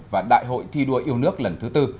và đại hội thi đua yêu nước lần thứ tư